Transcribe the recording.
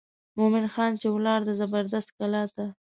مومن خان چې ولاړ د زبردست کلا ته.